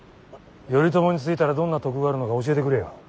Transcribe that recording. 頼朝についたらどんな得があるのか教えてくれよ。